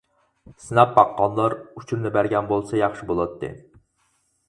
سىناپ باققانلار ئۇچۇرىنى بەرگەن بولسا ياخشى بۇلاتتى.